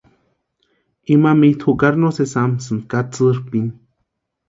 Ima mitʼu jukari no sési jamsïnti katsïrhpini.